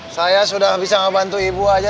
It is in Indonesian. saya sudah bisa ngebantu ibu aja